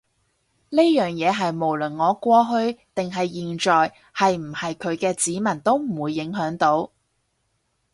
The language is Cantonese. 呢樣嘢係無論我過去定係現在係唔係佢嘅子民都唔會影響到